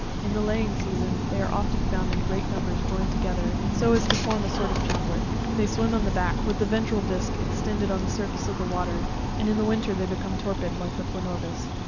In the laying season, they are often found in great numbers joined together, so as to form a sort of chaplet. 'They swim on the back with the ventral disk extend ed on the surface of the water, and in winter they become torpid like the planorbis.